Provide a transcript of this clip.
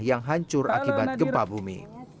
yang hancur akibat gempa bumi